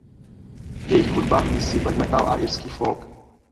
Jejich hudba mísí black metal a irský folk.